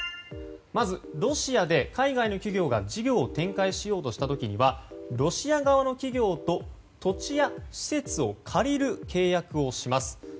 まずロシアで海外の企業が事業を展開しようとした時にはロシア側の企業と土地や施設を借りる契約をします。